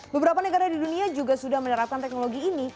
beberapa negara di dunia juga sudah menerapkan teknologi ini